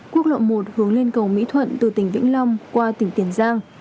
quốc lộ một hướng lên cầu mỹ thuận từ tỉnh vĩnh long qua tỉnh tiền giang